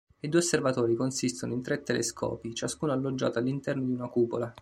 I due osservatori consistono in tre telescopi, ciascuno alloggiato all'interno di una cupola.